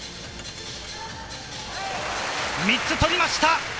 ３つ取りました。